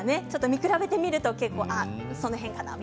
見比べてみるとその辺かなと。